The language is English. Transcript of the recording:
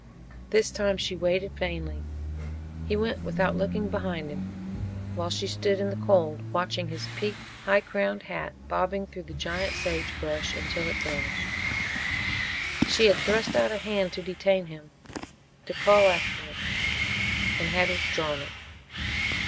This time she waited vainly. He went without looking behind him, while she stood in the cold watching his peaked high crowned hat bobbing through the giant sagebrush until it vanished. She had thrust out a hand to detain him to call after him and had withdrawn it.